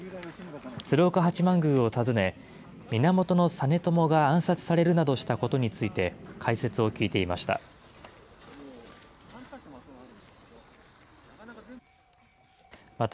鶴岡八幡宮を訪ね、源実朝が暗殺されるなどしたことについて、解説を聞いていました。